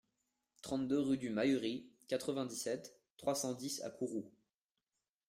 trente-deux rue du Mahury, quatre-vingt-dix-sept, trois cent dix à Kourou